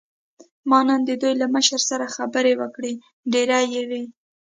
ما نن د دوی له مشر سره خبرې وکړې، ډېرې یې وې.